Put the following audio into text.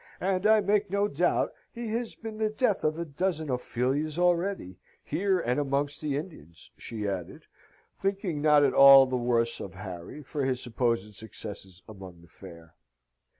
"And I make no doubt he has been the death of a dozen Ophelias already, here and amongst the Indians," she added, thinking not at all the worse of Harry for his supposed successes among the fair.